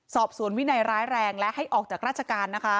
สอบสวนวินัยร้ายแรงและให้ออกจากราชการนะคะ